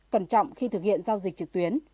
cẩn trọng khi thực hiện giao dịch trực tuyến